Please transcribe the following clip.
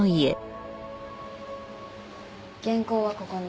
原稿はここに。